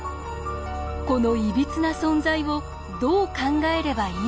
このいびつな存在をどう考えればいいのか。